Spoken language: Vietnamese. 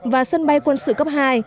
và sân bay quân sự cấp hai